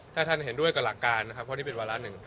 ถ้าท่านเห็นด้วยกับหลักการนะครับเพราะนี่เป็นวาระหนึ่ง